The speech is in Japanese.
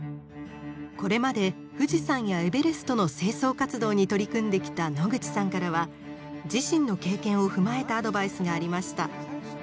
これまで富士山やエベレストの清掃活動に取り組んできた野口さんからは自身の経験を踏まえたアドバイスがありました。